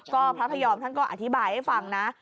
ก็พระพยอมท่านก็อธิบายให้ฟังนะ